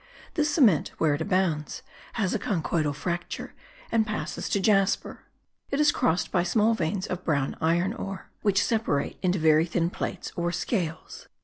This cement, where it abounds, has a conchoidal fracture and passes to jasper. It is crossed by small veins of brown iron ore, which separate into very thin plates or scales.